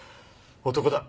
男だ。